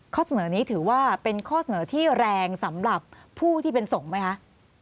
ข้อเสนอนี้ถือว่าเป็นข้อเสนอที่แรงสำหรับผู้ที่เป็นส่งไหมคะ